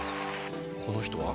この人は？